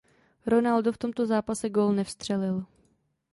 Ronaldo v tomto zápase gól nevstřelil.